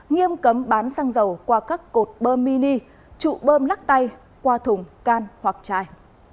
nghiêm cấm bán xăng dầu qua các cột bơm mini trụ bơm lắc tay qua thùng can hoặc chai